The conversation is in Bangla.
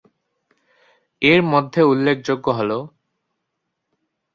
এর মধ্যে উল্লেখযোগ্য হল।